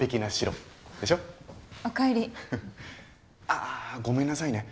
あぁごめんなさいね。